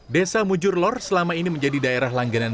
desa mujurlor selama ini menjadi daerah langganan